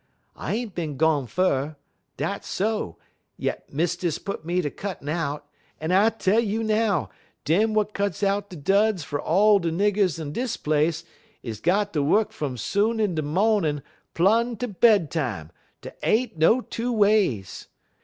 I ain't bin gone fur dat's so, yit Mistiss put me ter cuttin' out, un I tell you now dem w'at cuts out de duds fer all de niggers on dis place is got ter wuk fum soon in de mawnin' plum tel bed time, dey ain't no two ways.